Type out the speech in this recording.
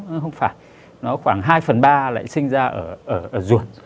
nó không phải nó khoảng hai phần ba lại sinh ra ở ruột